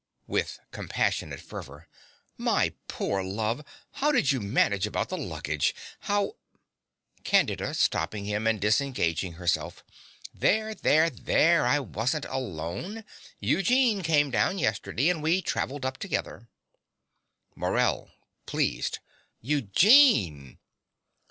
(With compassionate fervor.) My poor love: how did you manage about the luggage? how CANDIDA (stopping him and disengaging herself ). There, there, there. I wasn't alone. Eugene came down yesterday; and we traveled up together. MORELL (pleased). Eugene!